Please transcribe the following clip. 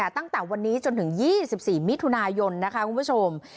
ตั้งแต่วันนี้จนถึง๒๔มิถุนายนนะคะคุณผู้ชม